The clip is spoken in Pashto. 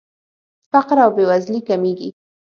فقر او بېوزلي کمیږي.